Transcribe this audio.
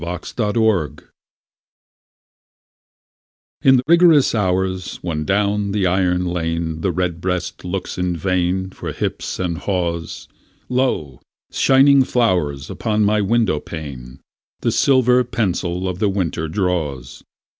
XVII—WINTER In rigorous hours, when down the iron lane The redbreast looks in vain For hips and haws, Lo, shining flowers upon my window pane The silver pencil of the winter draws.